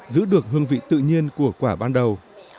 giữ được hương vị tự nhiên của quả ban đầu